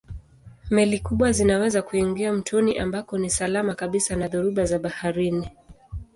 Meli kubwa zinaweza kuingia mtoni ambako ni salama kabisa na dhoruba za baharini.